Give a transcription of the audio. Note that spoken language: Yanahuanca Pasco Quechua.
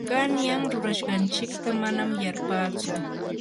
qanyan rurashqanchikta manam yarpatsu.